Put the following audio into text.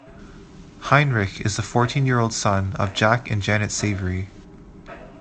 Heinrich is the fourteen-year-old son of Jack and Janet Savory.